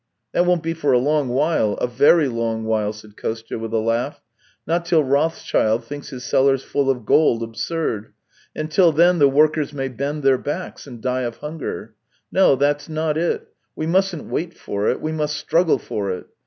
" That won't be for a long while, a very long while." said Kostya, with a laugh, " not till Rothschild thinks his cellars full of gold absurd, and till then the workers may bend their backs and die of hunger. No; that's not it. We mustn't wait for it; we must struggle for it.